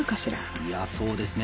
いやそうですね。